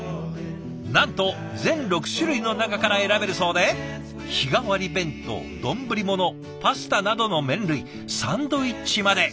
なんと全６種類の中から選べるそうで日替わり弁当丼物パスタなどの麺類サンドイッチまで。